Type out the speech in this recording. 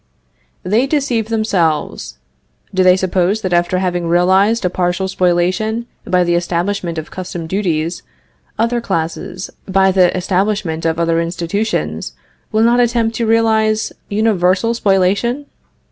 They deceive themselves. Do they suppose that after having realized a partial spoliation by the establishment of customs duties, other classes, by the establishment of other institutions, will not attempt to realize universal spoliation?